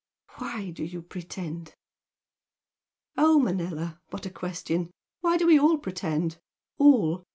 "Why do you pretend?" "Oh, Manella! What a question! Why do we all pretend? all!